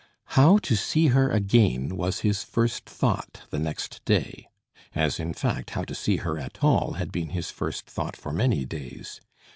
How to see her again was his first thought the next day; as, in fact, how to see her at all had been his first thought for many days.